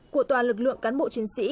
của toàn lực lượng cán bộ chiến sĩ